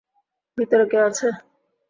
ভিতরে কেউ আছে?